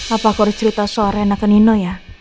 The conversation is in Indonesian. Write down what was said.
apakah kau cerita soal reyna ke nino ya